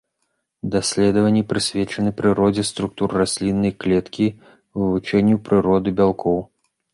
Даследаванні прысвечаны прыродзе структур расліннай клеткі, вывучэнню прыроды бялкоў.